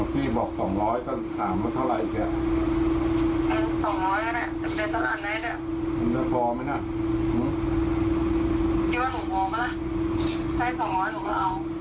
ว่าหนูโพลมแล้วให้๒๐๐หนูก็เอา